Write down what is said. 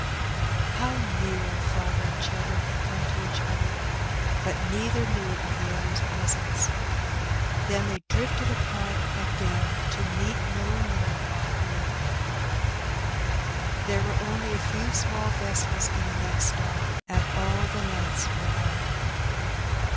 How near father and children had come to each other! but neither knew of the other^s presence : then they drifted apart, again, to meet no more on earth. There were only a few small vessels in the next dock, and all the lights were out.